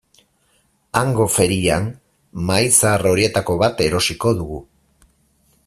Hango ferian mahai zahar horietako bat erosiko dugu.